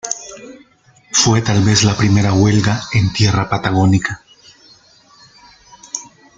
Fue tal vez la primera huelga en tierra patagónica.